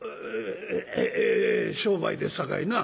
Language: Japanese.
「ええ商売ですさかいな」。